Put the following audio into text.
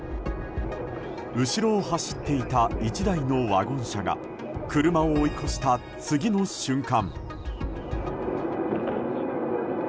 後ろを走っていた１台のワゴン車が車を追い越した次の瞬間。